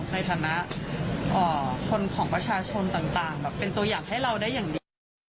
ในฐานะคนของประชาชนต่างแบบเป็นตัวอย่างให้เราได้อย่างดี